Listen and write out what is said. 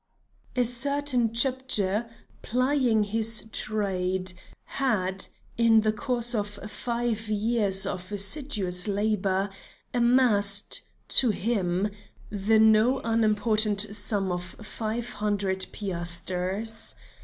A certain Chepdji, plying his trade, had, in the course of five years of assiduous labor, amassed, to him, the no unimportant sum of five hundred piasters.